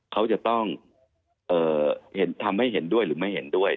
เขาจะต้องทำให้เห็นด้วยหรือไม่เห็นด้วย